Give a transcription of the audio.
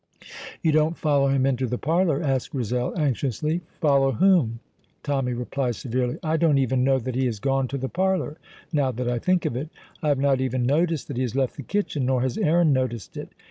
"You don't follow him into the parlour?" asks Grizel, anxiously. "Follow whom?" Tommy replies severely. "I don't even know that he has gone to the parlour; now that I think of it, I have not even noticed that he has left the kitchen; nor has Aaron noticed it.